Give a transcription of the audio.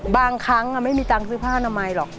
บางครั้งไม่มีตังค์ซื้อผ้าอนามัยหรอก